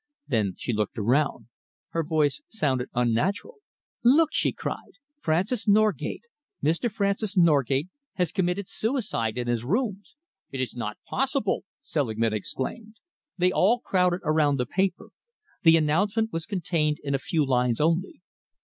Then she looked around. Her voice sounded unnatural. "Look!" she cried. "Francis Norgate Mr. Francis Norgate has committed suicide in his rooms!" "It is not possible!" Selingman exclaimed. They all crowded around the paper. The announcement was contained in a few lines only.